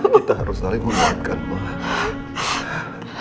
kita harus saling melihatkan mak